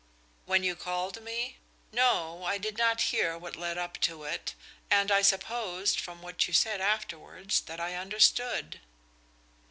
"When you called me? No I did not hear what led up to it, and I supposed from what you said afterwards that I understood."